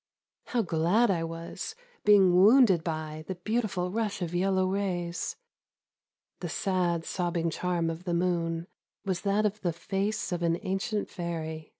How glad I was, being wounded by The beautiful rush of yellow rays ! The sad sobbing charm of the m')on Was that of the face of an ancient fairy.